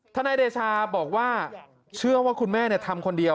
นายเดชาบอกว่าเชื่อว่าคุณแม่ทำคนเดียว